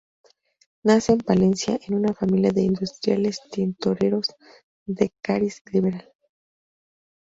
Nace en Palencia, en una familia de industriales tintoreros de cariz liberal.